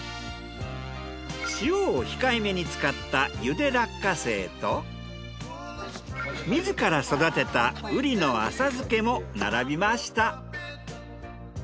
塩を控えめに使った茹で落花生と自ら育てた瓜の浅漬けも並びました。